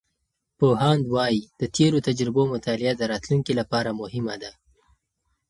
پوهاند وایي، د تیرو تجربو مطالعه د راتلونکي لپاره مهمه ده.